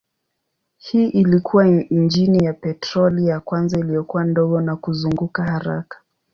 Hii ilikuwa injini ya petroli ya kwanza iliyokuwa ndogo na kuzunguka haraka.